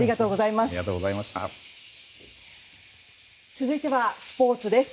続いてはスポーツです。